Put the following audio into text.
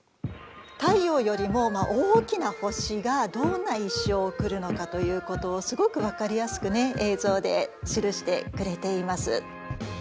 太陽よりも大きな星がどんな一生を送るのかということをすごく分かりやすくね映像で記してくれています。